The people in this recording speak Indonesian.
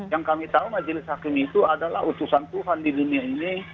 yang kami tahu majelis hakim itu adalah utusan tuhan di dunia ini